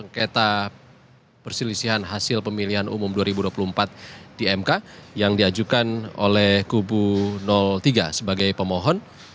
sengketa perselisihan hasil pemilihan umum dua ribu dua puluh empat di mk yang diajukan oleh kubu tiga sebagai pemohon